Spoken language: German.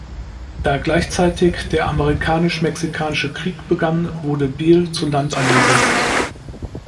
Da gleichzeitig der Amerikanisch-mexikanische Krieg begann, wurde Beale zu Land eingesetzt.